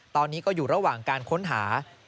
ตอนนี้ก็อยู่ระหว่างการค้นหา